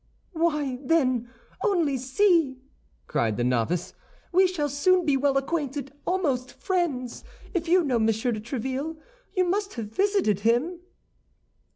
"Why, then, only see!" cried the novice; "we shall soon be well acquainted, almost friends. If you know Monsieur de Tréville, you must have visited him?"